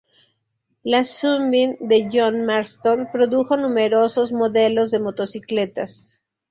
La Sunbeam de John Marston produjo numerosos modelos de motocicletas.